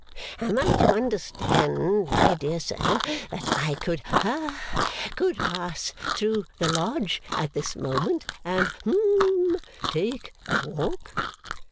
Am I to understand, my dear sir, that I could ha could pass through the Lodge at this moment, and hum take a walk?